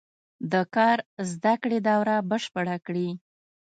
د کار زده کړې دوره بشپړه کړي.